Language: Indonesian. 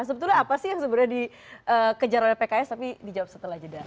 sebetulnya apa sih yang sebenarnya dikejar oleh pks tapi dijawab setelah jeda